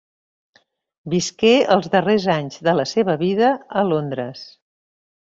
Visqué els darrers anys de la seva vida a Londres.